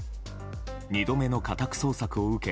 ２度目の家宅捜索を受け